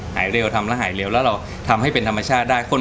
หายเร็วทำแล้วหายเร็วแล้วเราทำให้เป็นธรรมชาติได้